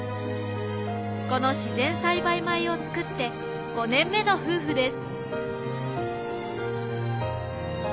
この自然栽培米を作って５年目の夫婦です。